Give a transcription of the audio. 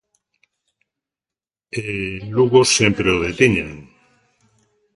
E en Lugo sempre o detiñan.